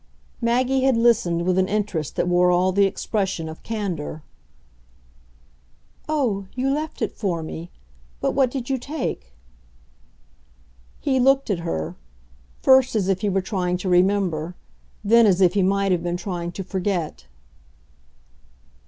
Maggie had listened with an interest that wore all the expression of candour. "Oh, you left it for me. But what did you take?" He looked at her; first as if he were trying to remember, then as if he might have been trying to forget.